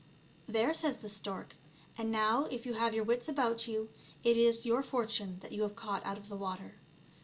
"There, says the stork: "and now if you have your wits about you, it is your fortune that you have caught out of the water.